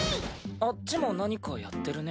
あっちも何かやってるね。